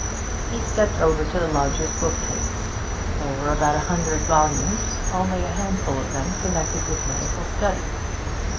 He stepped over to the lodger's bookcase. There were about a hundred volumes, only a handful of them connected with medical study.